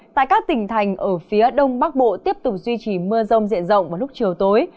tại các tỉnh thành ở phía đông bắc bộ tiếp tục duy trì mưa rông diện rộng vào lúc chiều tối